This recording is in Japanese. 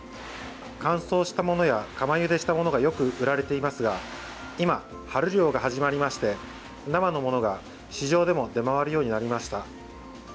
乾燥したものや釜ゆでしたものがよく売られていますが今、春漁が始まりまして生のものが市場でも出回るようになりました。